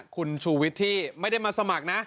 คุณชูวิทย์ที่ไม่ได้มาสมัครนะ